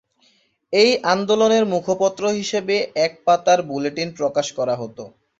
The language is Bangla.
এই আন্দোলনের মুখপত্র হিসাবে এক পাতার বুলেটিন প্রকাশ করা হতো।